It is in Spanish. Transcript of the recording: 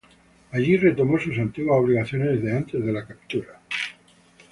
Allí retomó sus antiguas obligaciones de antes de la captura.